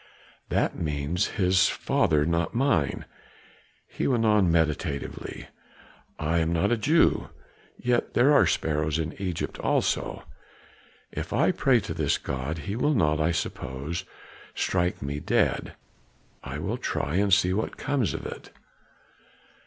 "That means his father, not mine;" he went on meditatively, "I am not a Jew. Yet are there sparrows in Egypt also; if I pray to this God, he will not I suppose strike me dead; I will try and see what comes of it.